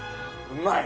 うまい！